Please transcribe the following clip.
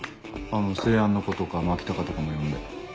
「生安」の子とか牧高とかも呼んで。